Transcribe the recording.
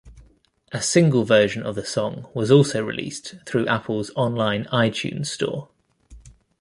A single version of the song was also released through Apple's online iTunes Store.